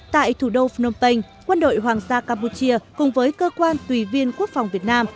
tại thủ đô phnom penh quân đội hoàng gia campuchia cùng với cơ quan tùy viên quốc phòng việt nam